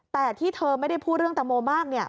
แต่ที่เธอไม่ได้พูดเรื่องแตงโมมาก